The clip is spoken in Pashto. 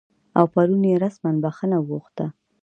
او پرون یې رسما بخښنه وغوښته